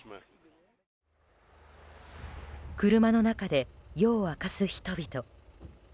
車の中で夜を明かす人々。